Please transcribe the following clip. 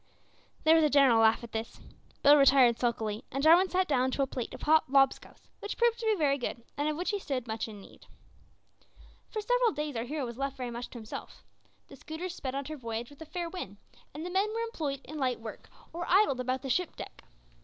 There was a general laugh at this. Bill retired sulkily, and Jarwin sat down to a plate of hot "lob scouse," which proved to be very good, and of which he stood much in need. For several days our hero was left very much to himself. The schooner sped on her voyage with a fair wind, and the men were employed in light work, or idled about the deck.